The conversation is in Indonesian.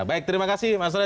baik terima kasih mas roy